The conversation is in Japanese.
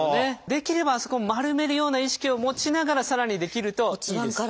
できればあそこは丸めるような意識を持ちながらさらにできるといいです。